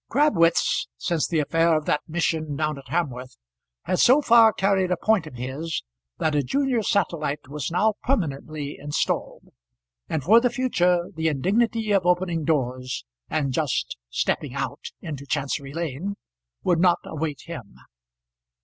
Crabwitz, since the affair of that mission down at Hamworth, had so far carried a point of his, that a junior satellite was now permanently installed; and for the future the indignity of opening doors, and "just stepping out" into Chancery Lane, would not await him.